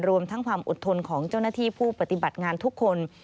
รวมทั้งความอดทนของเจ้าหน้าที่ผู้ปฏิบัติงานทุกคน